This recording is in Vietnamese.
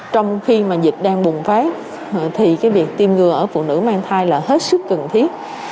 trong khi mà dịch đang bùng phát thì cái việc tiêm ngừa ở phụ nữ mang thai là hết sức cần thiết